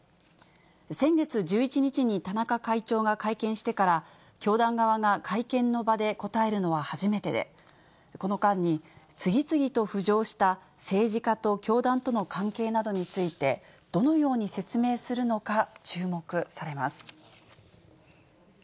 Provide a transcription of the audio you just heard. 先月１１日に田中会長が会見してから、教団側が会見の場で答えるのは初めてで、この間に、次々と浮上した政治家と教団との関係などについて、どのように説明するのか注目されます。